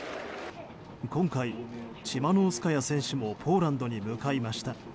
今回、チマノウスカヤ選手もポーランドに向かいました。